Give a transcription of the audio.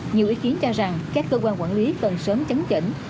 nhiều ý kiến cho rằng các cơ quan quản lý cần sớm chấn chỉnh